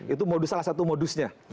itu salah satu modusnya